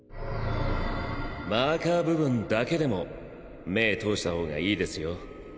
マーカー部分だけでも目通した方がいいですよ。